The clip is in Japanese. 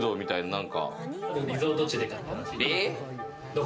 リゾート地で買ったらしい。